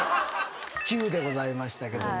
キュウでございましたけど。